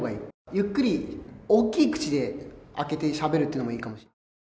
ゆっくり大きい口で開けてしゃべるというのもいいかもしれない。